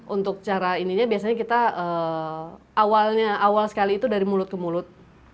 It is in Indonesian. untuk cara ininya biasanya kita awalnya awal sekali itu dari mulut ke mulut